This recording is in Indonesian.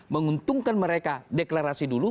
menguntungkan mereka deklarasi dulu